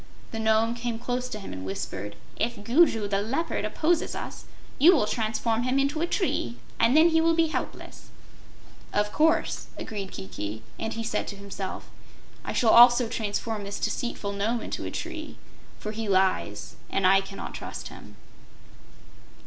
The Nome came close to him and whispered: "If Gugu the Leopard opposes us, you will transform him into a tree, and then he will be helpless." "Of course," agreed Kiki, and he said to himself: "I shall also transform this deceitful Nome into a tree, for he lies and I cannot trust him."